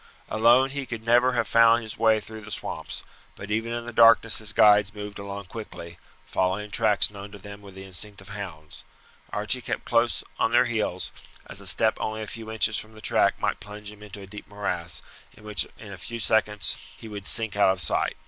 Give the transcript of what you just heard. Alone he could never have found his way through the swamps, but even in the darkness his guides moved along quickly, following tracks known to them with the instinct of hounds; Archie kept close on their heels, as a step only a few inches from the track might plunge him in a deep morass, in which in a few seconds he would sink out of sight.